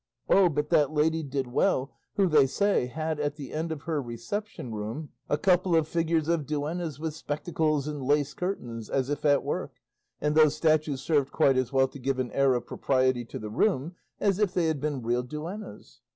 Oh, but that lady did well who, they say, had at the end of her reception room a couple of figures of duennas with spectacles and lace cushions, as if at work, and those statues served quite as well to give an air of propriety to the room as if they had been real duennas."